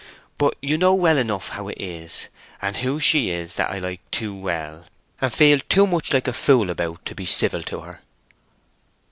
But you know well enough how it is, and who she is that I like too well, and feel too much like a fool about to be civil to her!"